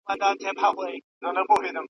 حلاله روزي د برکت سرچینه ده.